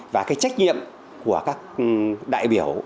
và cái trách nhiệm của các đại biểu